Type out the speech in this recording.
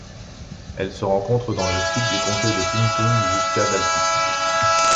Elle se rencontre dans le Sud du comté de Pingtung jusqu'à d'altitude.